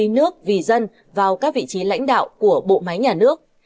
nước vì dân vào các vị trí lãnh đạo của bộ máy nhà nước